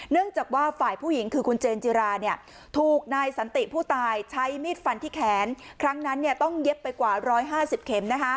เนื่องจากว่าฝ่ายผู้หญิงคือคุณเจนจีราเนี่ยถูกนายสันติผู้ตายใช้มิตรฟันที่แขนครั้งนั้นต้องเย็บไปกว่าร้อยห้าสิบเข็ม